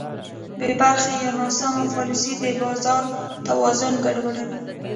بېبرخې یا ناسمه پالیسي د بازار توازن ګډوډوي.